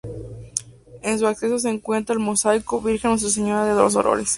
En su acceso se encuentra el mosaico "Virgen Nuestra Señora de los Dolores".